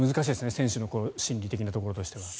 選手の心理的なところは。